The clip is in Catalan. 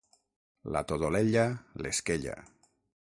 La Todolella, l'esquella.